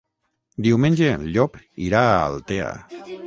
Diumenge en Llop irà a Altea.